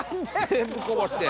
全部こぼして。